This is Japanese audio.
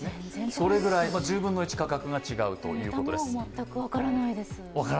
それぐらい、１０分の１、価格が違うということです。